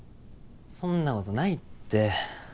そんなことないって。